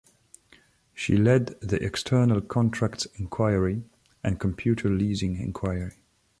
She led the External Contracts Inquiry and Computer Leasing Inquiry.